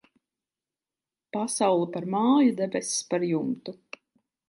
Pasaule par māju, debess par jumtu.